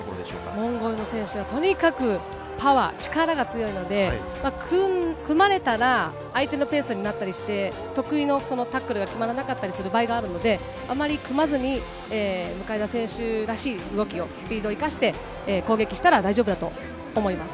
モンゴルの選手はとにかくパワー、力が強いので、組まれたら相手のペースになったりして、得意のタックルが決まらなかったりする場合があるので、あまり組まずに向田選手らしい動きを、スピードを生かして攻撃したら大丈夫だと思います。